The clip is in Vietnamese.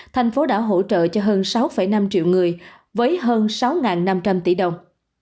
thành phố đã hỗ trợ cho hơn sáu năm triệu người với hơn sáu năm trăm linh tỷ đồng